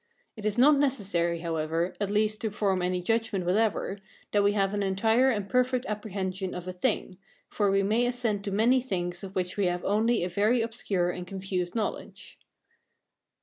It is not necessary, however, at least to form any judgment whatever, that we have an entire and perfect apprehension of a thing; for we may assent to many things of which we have only a very obscure and confused knowledge.